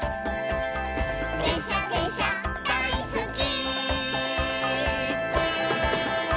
「でんしゃでんしゃだいすっき」